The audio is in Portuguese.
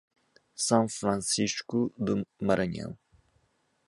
São Francisco do Maranhão